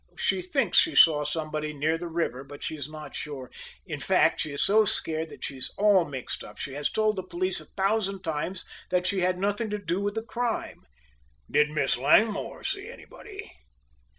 "She thinks she saw somebody near the river, but she is not sure; in fact, she is so scared that she is all mixed up. She has told the police a thousand times that she had nothing to do with the crime." "Did Miss Langmore see anybody?"